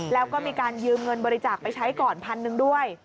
แล้วก็มีการยืมเงินบริจาคไปใช้ก่อนพันหนึ่งด้วย